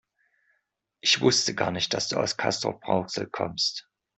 Ich wusste gar nicht, dass du aus Castrop-Rauxel kommst